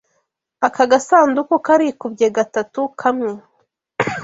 Aka gasanduku karikubye gatatu kamwe.